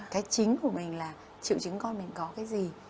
cái chính của mình là triệu chứng con mình có cái gì